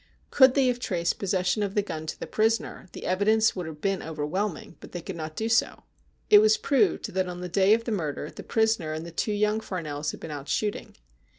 Could they have traced possession of the gun to the prisoner, the evidence would have been overwhelming, but they could not do so. It was proved that on the day of the murder the prisoner and the two young Farnells had been out shooting.